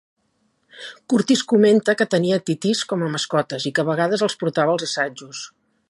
Curtiss comenta que tenia titís com a mascotes i que, a vegades, els portava als assajos.